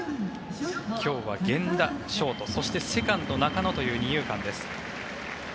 今日は源田、ショートそして、セカンド、中野という二遊間です。